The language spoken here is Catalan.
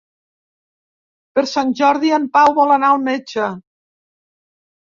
Per Sant Jordi en Pau vol anar al metge.